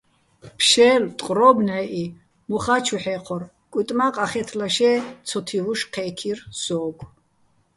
ფშე́ლ, ტყვრო́ბ ნჵაჸი, მოხა́ ჩუ ჰ̦ე́ჴორ, კუჲტი̆ მა́ ყახე́თლაშე́ ცოთივუშ ჴე́ქირ სოგო̆.